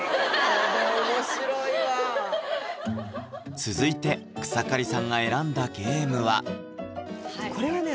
これ続いて草刈さんが選んだゲームはこれはね